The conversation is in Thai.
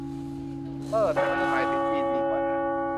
เอ้อ แต่ไม่ได้หมายถึงจีนดีกว่านะ